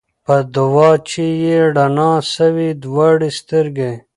په دوا چي یې رڼا سوې دواړي سترګي